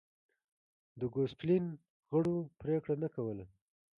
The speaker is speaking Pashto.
د ګوسپلین غړو پرېکړه نه کوله.